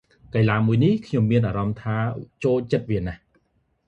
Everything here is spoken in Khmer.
កីឡាមួយនេះ ខ្ញុំមានអារម្មណ៏ថា ចូលចិត្តវាណាស់ ។